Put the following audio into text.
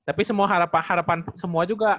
tapi semua harapan semua juga